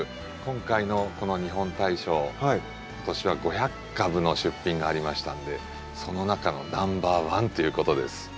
今回のこの「日本大賞」今年は５００株の出品がありましたんでその中のナンバーワンということです。